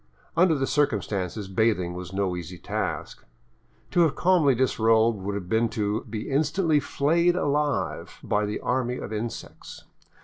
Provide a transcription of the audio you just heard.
Under the circumstances bathing was no easy task. To have calmly disrobed would have been to be instantly flayed alive by the army of insects.